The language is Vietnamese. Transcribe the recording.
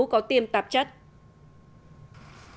có tiêm tạp chất